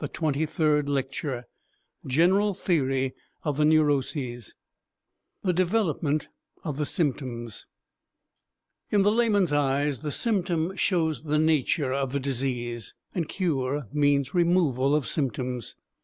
TWENTY THIRD LECTURE GENERAL THEORY OF THE NEUROSES The Development of the Symptoms In the layman's eyes the symptom shows the nature of the disease, and cure means removal of symptoms.